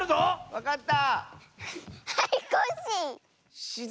わかった！